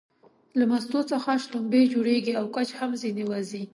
له مستو څخه شلومبې جوړيږي او کوچ هم ځنې وځي